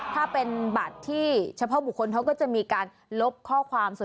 แต่ว่าเฉพาะบุคคลเขาจะมีการลบข้อความ